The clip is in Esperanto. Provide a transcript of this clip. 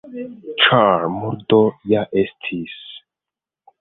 Ĉar murdo ja estis.